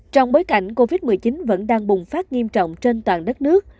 trong bối cảnh covid một mươi chín vẫn đang bùng phát nghiêm trọng trên toàn đất nước